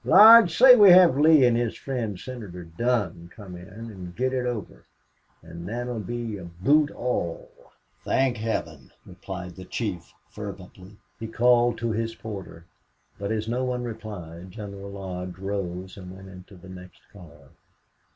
Lodge, say we have Lee and his friend Senator Dunn come in, and get it over. An' thet'll be aboot all!" "Thank Heaven!" replied the chief, fervently. He called to his porter, but as no one replied, General Lodge rose and went into the next car.